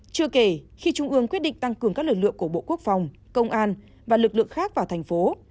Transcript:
chưa kể khi trung ương quyết định tăng cường các lực lượng của bộ quốc phòng công an và lực lượng khác vào thành phố